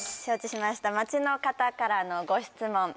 承知しました街の方からのご質問